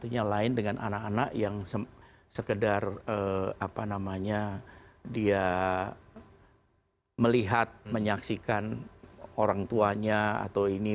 yang lain dengan anak anak yang sekedar apa namanya dia melihat menyaksikan orang tuanya atau ini